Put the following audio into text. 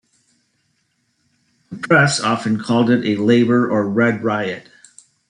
The press often called it a labor or red riot.